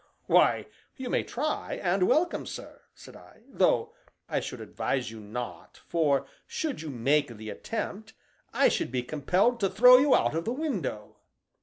"Why, you may try, and welcome, sir," said I; "though I should advise you not, for should you make the attempt I should be compelled to throw you out of the window."